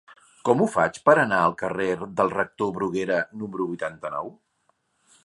Com ho faig per anar al carrer del Rector Bruguera número vuitanta-nou?